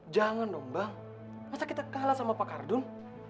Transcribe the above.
jangan dong bang masa kita kalah sama pak kardun